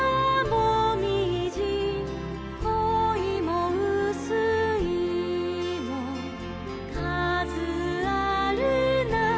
「こいもうすいもかずあるなかに」